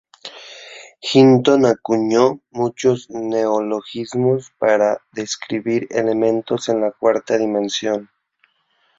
Hinton acuñó muchos neologismos para describir elementos en la cuarta dimensión.